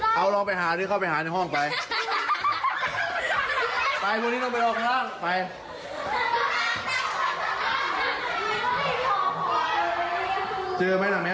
คุณเอาไหมครับจะไว้ไหน